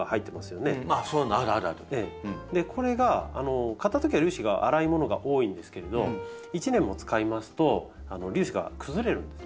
これが買ったときは粒子が粗いものが多いんですけれど１年も使いますと粒子が崩れるんですね。